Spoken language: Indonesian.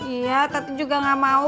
iya tapi juga gak mau